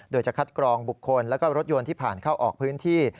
โดยจะคัดกรองบุคคลและรถยนต์ที่ผ่านเข้าออกพื้นที่